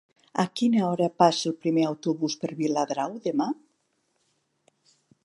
A quina hora passa el primer autobús per Viladrau demà?